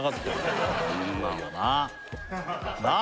こんなのななあ！